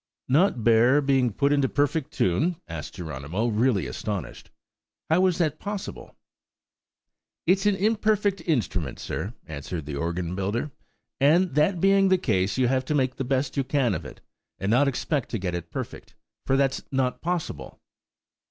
"Not bear being put into perfect tune?" asked Geronimo, really astonished. "How is that possible?" "It's an imperfect instrument, sir," answered the organ builder: "and that being the case, you have to make the best you can of it, and not expect to get it perfect, for that's not possible."